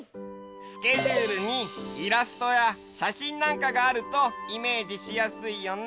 スケジュールにイラストやしゃしんなんかがあるとイメージしやすいよね。